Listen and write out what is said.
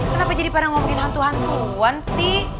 kenapa jadi pada ngomongin hantu hantuan sih